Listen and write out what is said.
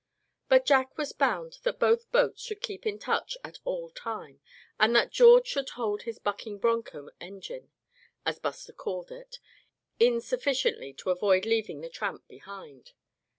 But Jack was bound that both boats must keep in touch all the time, and that George should hold his "bucking broncho" engine, as Buster called it, in sufficiently to avoid leaving the Tramp behind.